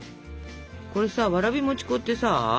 これさわらび餅粉ってさ